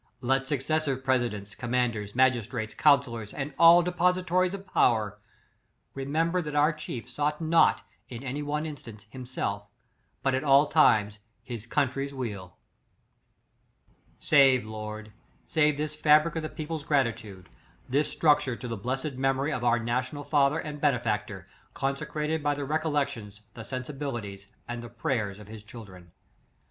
Let successive presidents, commanders, magistrates, counsellors, and all depositaries of power, remember that our chief sought not, in any one instance, himself^ but at all times his coimtrips zveaL " Save Lord, save this fabric of the peo ple's gratitude; this structure to the bless ed memory of our national father and benefactor, consecrated by the recollec tions, the sensibilities, and the prayers of his children.